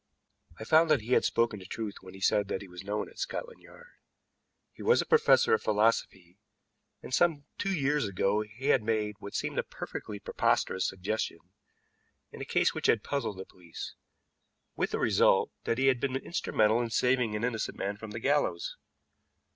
I found that he had spoken the truth when he said that he was known at Scotland Yard. He was a professor of philosophy, and some two years ago had made what seemed a perfectly preposterous suggestion in a case which had puzzled the police, with the result that he had been instrumental in saving an innocent man from the gallows.